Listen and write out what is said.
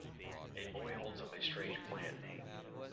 A boy holds up a strange plant.